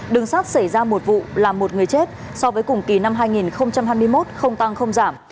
đường sắt xảy ra một vụ làm một người chết so với cùng kỳ năm hai nghìn hai mươi một không tăng không giảm